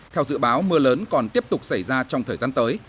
theo dự báo mưa lớn còn tiếp tục xảy ra trong thời gian tới